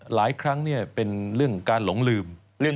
หลายครั้งเป็นเรื่องการหลงลืม